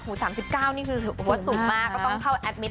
หู๓๙นี่คือสูงมากก็ต้องเข้าแอดมิต